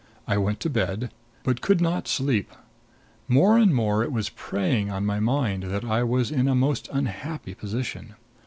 I went to bed, but could not sleep. More and more it was preying on my mind that I was in a most unhappy position.